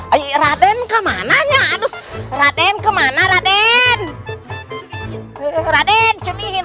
ayo raden ke mananya aduh raden kemana raden raden